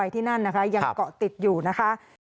ติดอยู่นะคะ